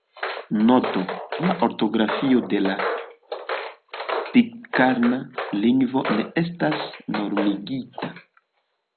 Noto: La ortografio de la pitkarna lingvo ne estas normigita.